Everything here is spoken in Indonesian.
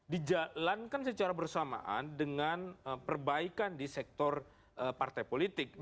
dijalankan secara bersamaan dengan perbaikan di sektor partai politik